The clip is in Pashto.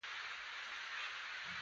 دا مقولې رامنځته شوي دي.